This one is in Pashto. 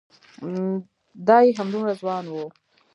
دای همدومره ځوان و.